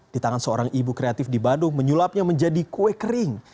di tangan seorang ibu kreatif di bandung menyulapnya menjadi kue kering